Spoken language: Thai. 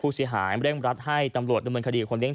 ผู้เสียหายเร่งรักให้ตำหรวตดำเงินคดีคนนิยัง